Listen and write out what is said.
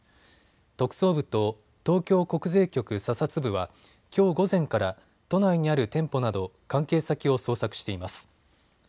特捜部と東京国税局査察部はきょう午前から都内にある店舗など関係先を捜索しています。